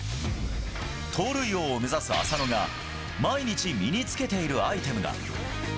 盗塁王を目指す浅野が、毎日身につけているアイテムが。